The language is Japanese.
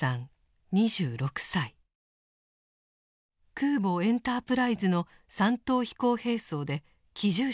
空母「エンタープライズ」の三等飛行兵曹で機銃手でした。